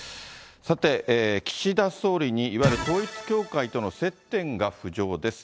さて、岸田総理に、いわゆる統一教会との接点が浮上です。